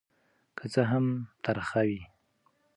که څه هم ترخه وي.